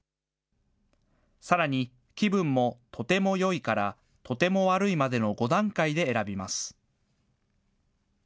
さらに、気分もとてもよいからとてもわるいまでの５段階で選びます。